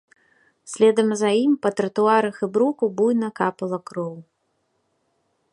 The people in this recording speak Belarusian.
Следам за ім па тратуарах і бруку буйна капала кроў.